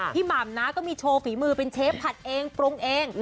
หม่ำนะก็มีโชว์ฝีมือเป็นเชฟผัดเองปรุงเอง